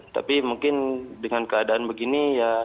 tapi mungkin dengan keadaan begini ya